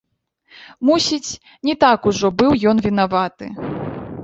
Мусіць, не так ужо быў ён вінаваты.